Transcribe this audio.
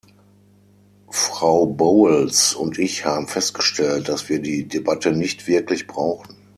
Frau Bowles und ich haben festgestellt, dass wir die Debatte nicht wirklich brauchen.